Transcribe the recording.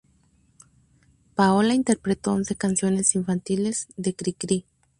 Paola interpretó once canciones infantiles, de Cri-Cri.